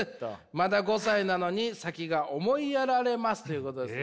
まだ５歳なのに先が思いやられます」。ということです。